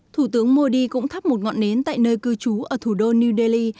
thủ tướng modi cũng thắp một ngọn nến tại nơi cư trú ở thủ đô new delhi